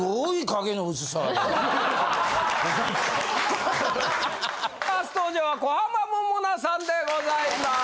初登場は小浜桃奈さんでございます。